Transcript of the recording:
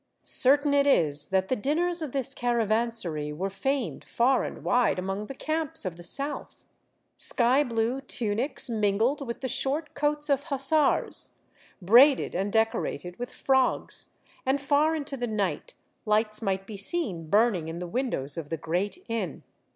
Certain it is that the dinners of this caravansary were famed far and wide among the camps of the South; sky blue tunics mingled with the short coats of hussars, braided and decorated with frogs, and far into the night lights might be seen burning in the windows of the great inn.